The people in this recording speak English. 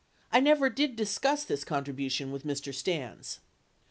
I never did discuss this contribution with Mr. Stans.